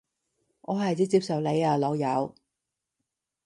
我係指接受你啊老友